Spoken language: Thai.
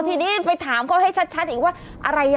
ทีนี้ไปถามเขาให้ชัดอีกว่า